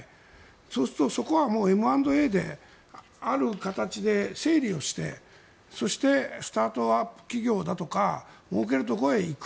そうすると、そこはＭ＆Ａである形で整理をしてそしてスタートアップ企業だとかもうけるところへ行く。